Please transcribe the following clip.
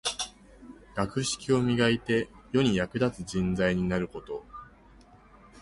学識を磨いて、世に役立つ人材になること。